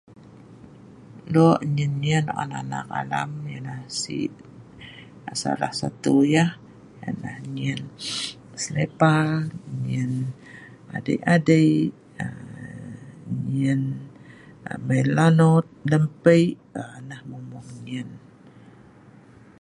Loe' nnyen nnyen on an anak anak salah satu yeh, ya'nah nnyen selipar, nnyel adie' adie', nnyen mai lanot lem pei' nah mueng mueng nnyen